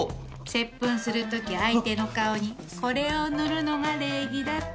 接吻する時相手の顔にこれを塗るのが礼儀だって。